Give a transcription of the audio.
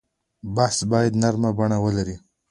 بحث باید نرمه بڼه ولري.